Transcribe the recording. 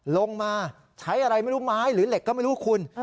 ลงมาใช้อะไรไม่รู้ไม้หรือเหล็กก็ไม่รู้คุณ